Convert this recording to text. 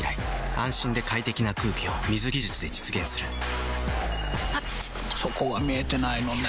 安心で快適な空気を水技術で実現するピピピッあっちょそこは見えてないのね。